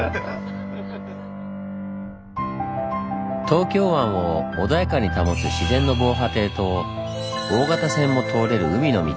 東京湾を穏やかに保つ自然の防波堤と大型船も通れる海の道。